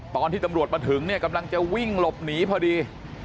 ตอนที่ตำรวจมาถึงเนี่ยกำลังจะวิ่งหลบหนีพอดี